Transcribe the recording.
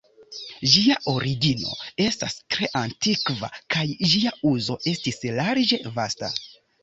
Ĝia origino estas tre antikva, kaj ĝia uzo estis larĝe vasta.